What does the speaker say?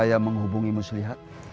saya menghubungi muslihat